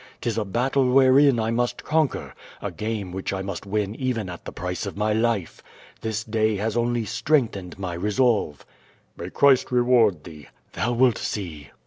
'Tis a battle wherein I must conquer; a game which I must w;^ even at the price of my life. This day has only strengthened my resolve." "May Christ reward thee/' "Thou wilt see." QUO VADIS.